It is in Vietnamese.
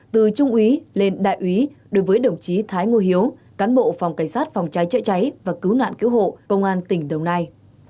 từ trung úy lên đại úy đối với đồng chí thái ngô hiếu cán bộ phòng cảnh sát phòng cháy chữa cháy và cứu nạn cứu hộ công an tỉnh đồng nai